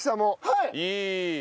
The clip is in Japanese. はい。